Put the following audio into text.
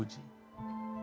hanya engkau yang memilikimu